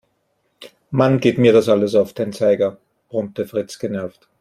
Mann, geht mir das alles auf den Zeiger, brummte Fritz genervt.